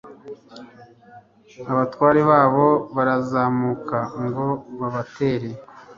abatware babo barazamuka ngo babatere